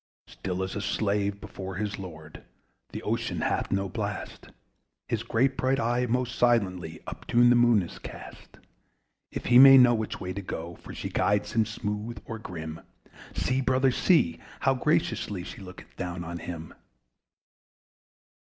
Still as a slave before his lord, The OCEAN hath no blast; His great bright eye most silently Up to the Moon is cast If he may know which way to go; For she guides him smooth or grim See, brother, see! how graciously She looketh down on him.